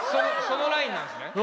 そのラインなんですね。